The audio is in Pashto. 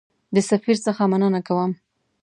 د سفیر څخه مننه کوم.